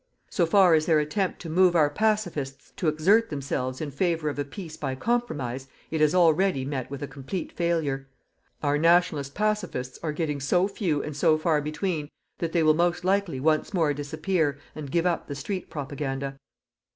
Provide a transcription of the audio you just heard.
So far as their attempt to move our pacifists to exert themselves in favour of a peace by compromise, it has already met with a complete failure. Our Nationalist pacifists are getting so few and so far between, that they will most likely once more disappear and give up the street propaganda.